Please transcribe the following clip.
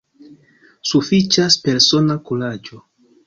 Sufiĉas persona kuraĝo.